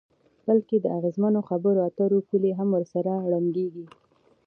بلکې د اغیزمنو خبرو اترو پولې هم ورسره ړنګیږي.